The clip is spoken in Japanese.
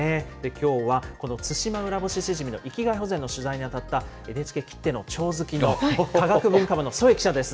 きょうは、このツシマウラボシシジミの域外保全の取材に当たった、ＮＨＫきってのチョウ好きの科学文化部の添記者です。